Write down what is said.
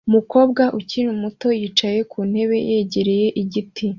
Umukobwa ukiri muto yicaye ku ntebe yegereye igiti